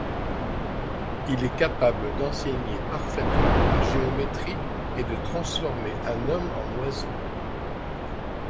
Il est capable d'enseigner parfaitement la géométrie et de transformer un homme en oiseau.